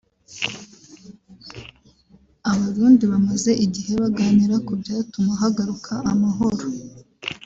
Abarundi bamaze igihe baganira ku byatuma hagaruka amahoro